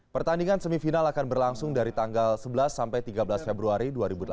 pertandingan semifinal akan berlangsung dari tanggal sebelas sampai tiga belas februari dua ribu delapan belas